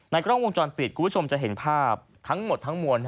กล้องวงจรปิดคุณผู้ชมจะเห็นภาพทั้งหมดทั้งมวล